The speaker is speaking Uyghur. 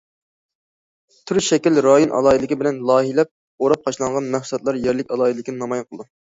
تۈر، شەكىل، رايون ئالاھىدىلىكى بىلەن لايىھەلەپ، ئوراپ قاچىلانغان مەھسۇلاتلار يەرلىك ئالاھىدىلىكنى نامايان قىلىدۇ.